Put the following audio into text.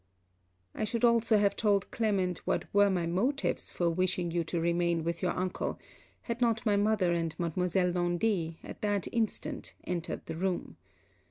I should also have told Clement what were my motives for wishing you to remain with your uncle, had not my mother and Mademoiselle Laundy, at that instant, entered the room.